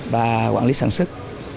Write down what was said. và quản lý sản xuất